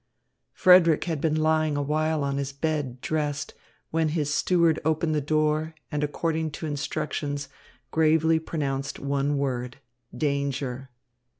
Frederick had been lying a while on his bed dressed, when his steward opened the door and according to instructions gravely pronounced the one word, "Danger."